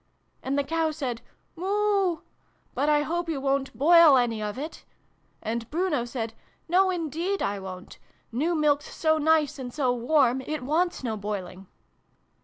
And the Cow said ' Moo ! But I hope you wo'n't boil any of it ?' And Bruno said ' No, indeed I won't! New Milk's so nice and so warm, it wants no boiling